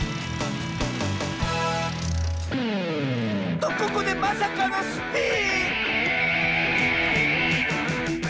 とここでまさかのスピン！